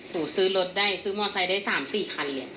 หูซื้อรถได้ซื้อมอเซอร์ได้สามสี่คันเลย